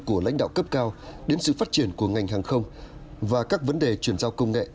của lãnh đạo cấp cao đến sự phát triển của ngành hàng không và các vấn đề chuyển giao công nghệ